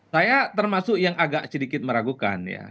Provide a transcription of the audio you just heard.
saya termasuk yang agak sedikit meragukan ya